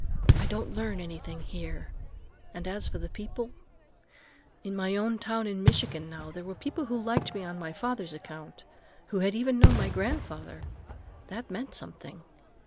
I don't learn anything here, and as for the people—In my own town in Michigan, now, there were people who liked me on my father's account, who had even known my grandfather. That meant something.